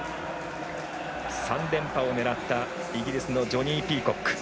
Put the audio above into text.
３連覇を狙ったイギリスのジョニー・ピーコック。